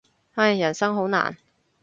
唉，人生好難。